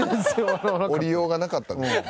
降りようがなかった。